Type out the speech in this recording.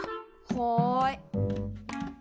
はい。